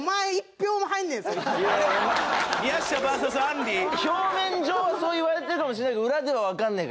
表面上はそう言われてるかもしれないけど裏ではわかんねえからな。